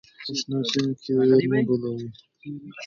په شنو سیمو کې اور مه بل کړئ.